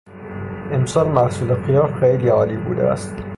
امسال محصول خیار خیلی عالی بوده است.